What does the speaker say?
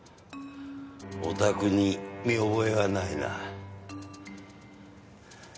おたくに見覚えはないな。